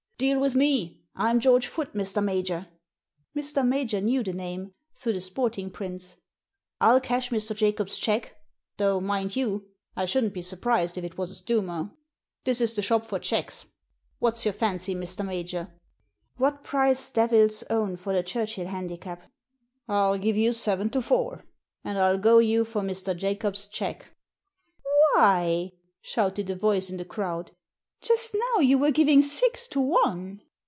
"Deal with me — I'm George Foote, Mr. Major." Digitized by VjOOQIC THE TIPSTER 137 Mr. Major knew the name — through the sporting prints —'' I'll cash Mr. Jacobs* cheque ; though, mind you, I shouldn't be surprised if it was a stumer! This is the shop for cheques. What's your fancy, Mr. Major?" "What price Devil's Own for the Churchill Handi cap?" " I'll give you seven to four, and I'll go you for Mr. Jacobs' cheque." •'Why," shouted a voice in the crowd, "just now you were giving six to one."